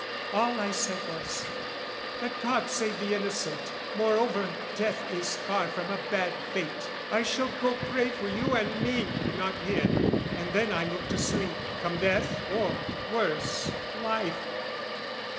All I said was, "Let God save the innocent! "Moreover, death is far from a bad fate. "I shall go pray for you and me, not him; "And then I look to sleep, come death or, worse, "Life."